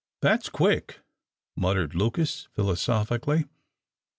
"That's quick," muttered Lucas, philosophically.